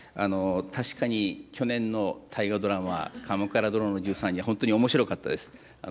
確かに去年の大河ドラマ、鎌倉殿の１３人、本当におもしろかったです。